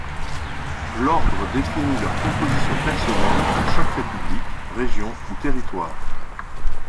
L'Ordre définit leur composition personnelle pour chaque république, région ou territoire.